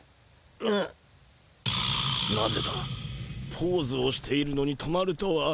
ポーズをしているのに止まるとは？